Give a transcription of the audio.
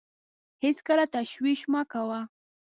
هېڅکله تشویش مه کوه .